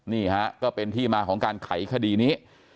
นี่ฮะก็เป็นที่มาของการไขคดีนี้